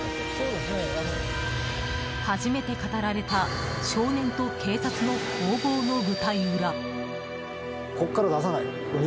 初めて語られた少年と警察の攻防の舞台裏。